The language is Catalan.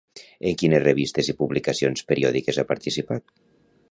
En quines revistes i publicacions periòdiques ha participat?